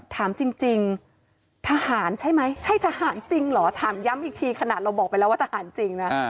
ถามจริงทหารใช่ไหมใช่ทหารจริงเหรอถามย้ำอีกทีขนาดเราบอกไปแล้วว่าทหารจริงนะ